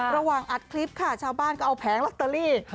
อัดคลิปค่ะชาวบ้านก็เอาแผงลอตเตอรี่